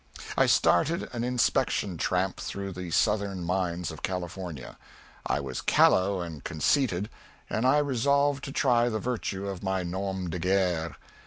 I started an inspection tramp through the southern mines of California. I was callow and conceited, and I resolved to try the virtue of my _nom de guerre.